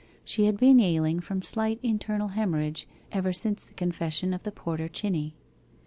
She had been ailing from slight internal haemorrhage ever since the confession of the porter Chinney.